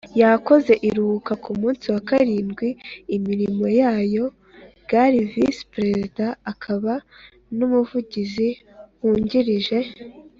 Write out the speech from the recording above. yakoze iruhuka ku munsi wa karindwi imirimo yayoL gal Visi perezida akaba n umuvugizi wungirije